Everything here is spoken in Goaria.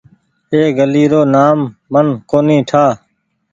اي گلي رو نآم من ڪونيٚ ٺآ۔